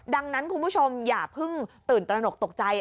ดังนั้นคุณผู้ชมอย่าเพิ่งตื่นตระหนกตกใจ